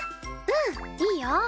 うんいいよ。